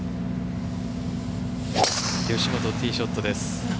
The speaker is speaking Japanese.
吉本、ティーショットです。